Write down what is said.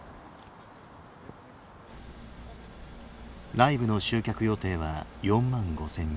ライブの集客予定は４万５，０００人。